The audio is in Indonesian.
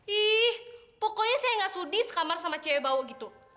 ih pokoknya saya gak sudi sekamar sama cewek bawa gitu